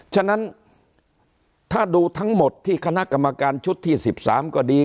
ฉะนั้นถ้าดูทั้งหมดที่คณะกรรมการชุดที่๑๓ก็ดี